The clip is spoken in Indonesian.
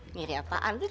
ngiri apaan tuh